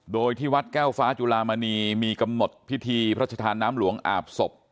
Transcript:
โดยที่วัดแก้วฟ้าจุลามณีมีกำหนดพิธีพระชธานน้ำหลวงอาบศพ